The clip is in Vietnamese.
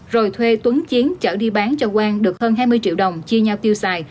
rồi thuê tuấn chiến chở đi bán cho quang được hơn hai mươi triệu đồng chia nhau tiêu xài